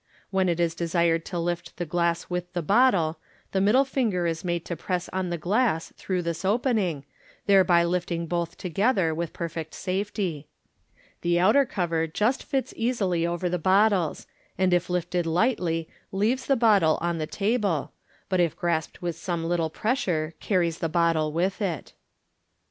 When it is desired to lift the glass with the bottle, the middle finger is made to press on the glass through this opening, thereby lifting both together with perfect safety. The outer cover just fits easily over the bottles, and if lifted lightly leaves the bottle on the table, but if grasped with some little pressure, carries the bottle with it.